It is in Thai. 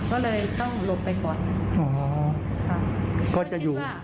ก็เลยต้องหลบไปก่อนอ๋อค่ะก็จะอยู่